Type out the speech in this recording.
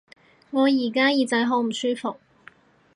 我而家耳仔好唔舒服